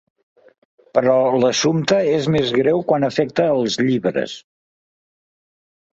Però l'assumpte és més greu quan afecta als llibres.